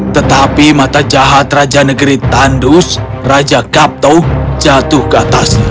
tetapi mata jahat raja negeri tandus raja kapto jatuh ke atasnya